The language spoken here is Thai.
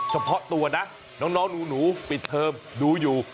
เฉพาะตัวนะน้องหนูปิดเทิมดูอยู่